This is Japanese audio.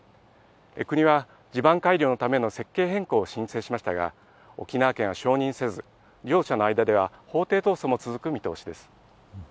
国は地盤改良のための設計変更を申請しましたが、沖縄県は承認せず、両者の間では法廷闘争も続く見通しです。